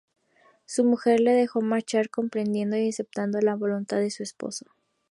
Su mujer le dejó marchar comprendiendo y aceptando la voluntad de su esposo.